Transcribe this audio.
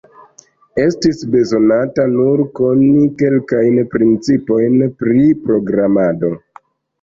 Estis bezonata nur koni kelkajn principojn pri programado.